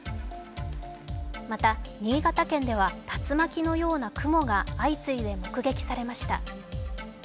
また新潟県では竜巻のような雲が相次いで目撃されました。